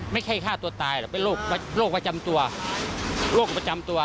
ไม่ใช่ฆ่าตัวตายหรอกเป็นโรคประจำตัวโรคประจำตัว